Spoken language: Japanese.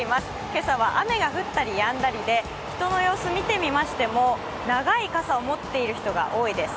今朝は雨が降ったりやんだりで人の様子を見てみましても、長い傘を持っている人が多いです。